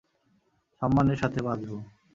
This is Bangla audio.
সম্মানের সাথে বাঁচবো।